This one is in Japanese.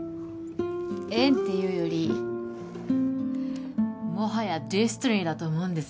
縁っていうよりもはやＤｅｓｔｉｎｙだと思うんです